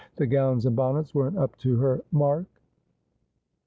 The gowns and bonnets weren't up to her mark.'